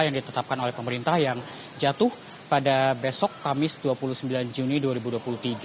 yang ditetapkan oleh pemerintah yang jatuh pada besok kamis dua puluh sembilan juni dua ribu dua puluh tiga